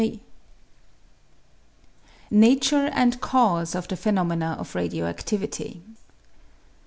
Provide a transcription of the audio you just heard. Nature and Cause of the Phenomena of Radio activity.